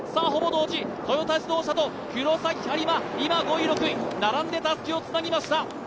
ほぼ同時、トヨタ自動車と黒崎播磨今、５位、６位、並んでたすきをつなぎました。